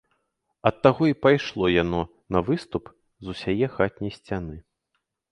Ад таго і пайшло яно на выступ з усяе хатняй сцяны.